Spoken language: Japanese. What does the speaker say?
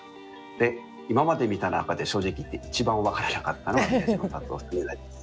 で今まで見た中で正直言って一番分からなかったのが宮島達男さんになります。